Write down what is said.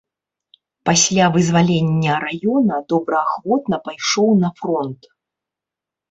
Пасля вызвалення раёна добраахвотна пайшоў на фронт.